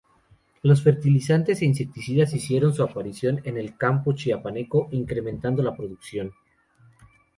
Los fertilizantes e insecticidas hicieron su aparición en el campo chiapaneco incrementando la producción.